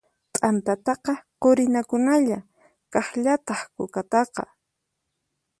T'antataqa qurinakunalla, kaqllataq kukataqa.